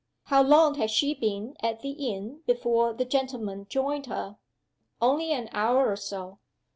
"How long had she been at the inn before the gentleman joined her?" "Only an hour or so."